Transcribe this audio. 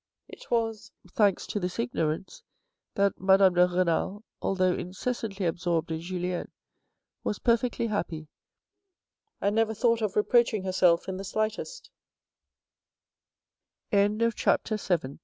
It was, thanks to this ignorance, that Madame de Renal, although incessantly absorbed in Julien, was perfectly happy, and never thought of reproaching herself in the sligh